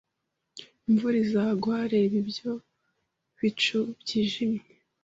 Imvura izagwa. Reba ibyo bicu byijimye.